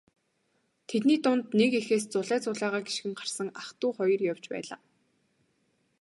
Тэдний дунд нэг эхээс зулай зулайгаа гишгэн гарсан ах дүү хоёр явж байлаа.